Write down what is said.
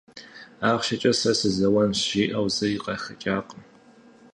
АрщхьэкӀэ, сэ сызэуэнщ жиӀэу зыри къахэкӀакъым.